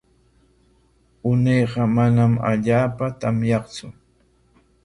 Unayqa manam allaapa tamyaqtsu.